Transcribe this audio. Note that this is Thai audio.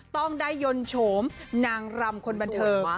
ต้องได้ยนต์โฉมนางรำคนบันเทิง